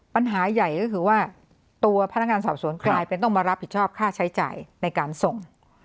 ปัญหาใหญ่ก็คือว่าตัวพนักงานสอบสวนกลายเป็นต้องมารับผิดชอบค่าใช้จ่ายในการส่ง